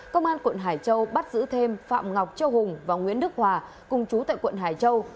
công an quận hải châu bắt giữ thêm phạm ngọc châu hùng và nguyễn đức hòa cùng chú tại quận hải châu